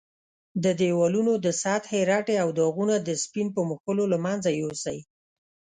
د دېوالونو د سطحې رټې او داغونه د سپین په مښلو له منځه یوسئ.